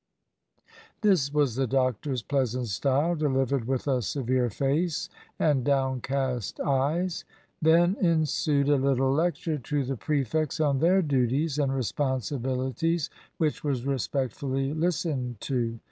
This was the doctor's pleasant style, delivered with a severe face and downcast eyes. Then ensued a little lecture to the prefects on their duties and responsibilities, which was respectfully listened to.